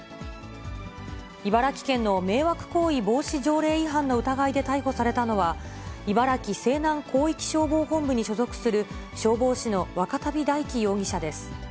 茨城県の迷惑行為防止条例違反の疑いで逮捕されたのは、茨城西南広域消防本部に所属する消防士の若旅大貴容疑者です。